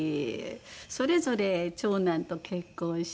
それぞれ長男と結婚して。